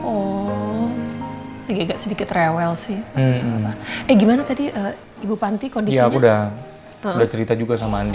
oh agak sedikit rewel sih gimana tadi ibu panti kondisinya udah cerita juga sama andi